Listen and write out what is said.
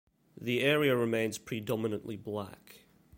The area remains predominantly black.